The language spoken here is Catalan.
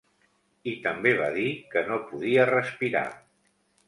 I també va dir que no podia respirar.